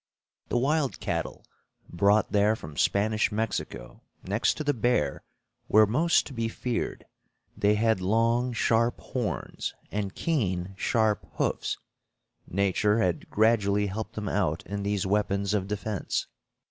The wild cattle, brought there from Spanish Mexico, next to the bear, were most to be feared. They had long, sharp horns and keen, sharp hoofs. Nature had gradually helped them out in these weapons of defense.